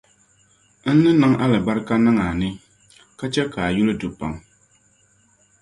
N ni niŋ alibarika niŋ a ni, ka chɛ ka a yuli du pam.